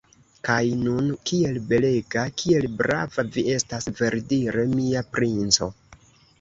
Kaj nun kiel belega, kiel brava vi estas, verdire, mia princo!